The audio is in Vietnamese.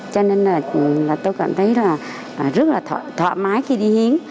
cho nên là tôi cảm thấy là rất là thoải mái khi đi hiến